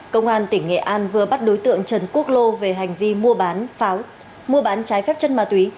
công an tỉnh nghệ an vừa bắt đối tượng trần quốc lô về hành vi mua bán pháo mua bán trái phép chân ma túy